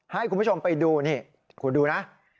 ให้คุณผู้ชมไปดูนี่คุณดูนะ